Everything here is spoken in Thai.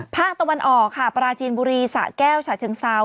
ภาคตะวันออกค่ะปราจีนบุรีสะแก้วฉะเชิงเซา